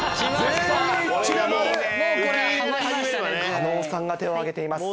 はい。